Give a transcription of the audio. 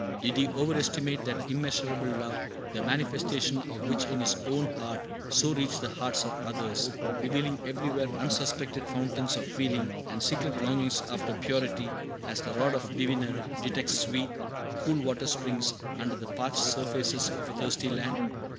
Did he overestimate that immeasurable Love, the manifestation of which in his own heart so reached the hearts of others, revealing everywhere unsuspected fountains of feeling and secret longings after purity, as the rod of the diviner detects sweet, cool water springs under the parched surfaces of a thirsty land?